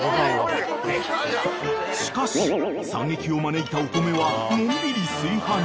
［しかし惨劇を招いたお米はのんびり炊飯中］